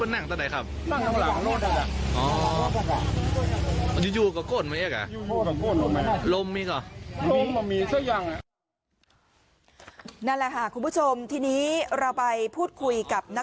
นั่นแหละค่ะคุณผู้ชมทีนี้เราไปพูดคุยกับนัก